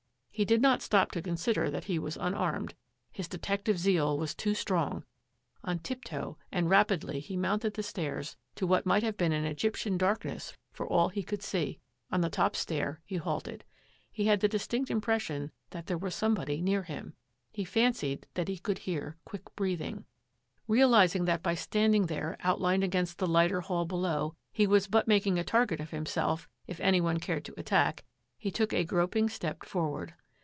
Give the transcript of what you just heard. He did not stop to consider that he was un armed. His detective zeal was too strong. On tiptoe and rapidly he mounted the stairs to what might have been Egyptian darkness for all he could see. On the top stair he halted. He had the distinct impression that there was somebody near him. He fancied that he could hear quick breath ing. Realising that by standing there outlined against the lighter hall below, he was but making a target of himself if any one cared to attack, he took a groping step forward.